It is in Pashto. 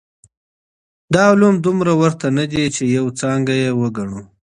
دا علوم دومره ورته نه دي چي يوه څانګه يې وګڼو.